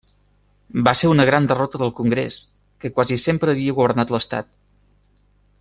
Va ser una gran derrota del Congrés, que quasi sempre havia governat l'estat.